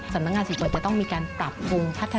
สำนักงานสถิติโบยังจะต้องมีการปรับพุง